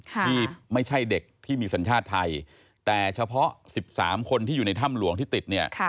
ที่ไม่ใช่เด็กที่มีสัญชาติไทยแต่เฉพาะ๑๓คนที่อยู่ในถ้ำหลวงที่ติดเนี่ย